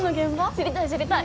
知りたい知りたい。